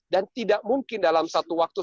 dan tidak mungkin dalam satu waktu